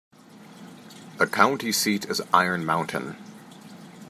The county seat is Iron Mountain.